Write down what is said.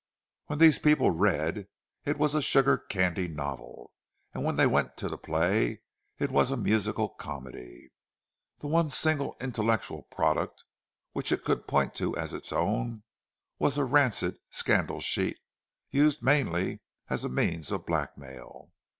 When these people read, it was a sugar candy novel, and when they went to the play, it was a musical comedy. The one single intellectual product which it could point to as its own, was a rancid scandal sheet, used mainly as a means of blackmail.